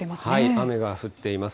雨が降っています。